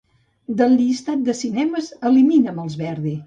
Del llistat de cinemes, elimina'm els Verdi.